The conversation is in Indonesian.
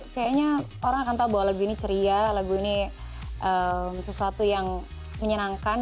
kayaknya orang akan tahu bahwa lagu ini ceria lagu ini sesuatu yang menyenangkan